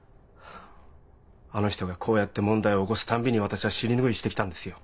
あの人がこうやって問題を起こすたんびに私は尻拭いしてきたんですよ。